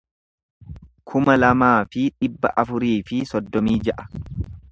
kuma lamaa fi dhibba afurii fi soddomii ja'a